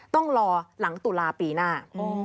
ต้องรอหลังตุลาปีหน้า